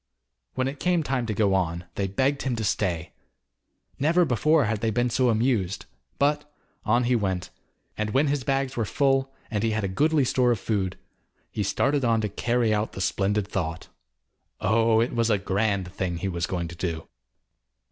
When it came time to go on, they begged him to stay. Never before had they been so amused, but on he went, and when his bags were full, and he had a goodly store of food, he started on to carry out the splendid thought. Oh, it was a grand thing he was going to do.